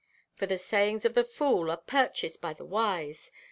For the sayings of the fool are purchased by the wise.